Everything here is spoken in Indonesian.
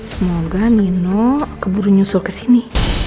semoga nino keburu nyusul kesini